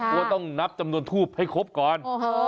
เพราะว่าต้องนับจำนวนทูบให้ครบก่อน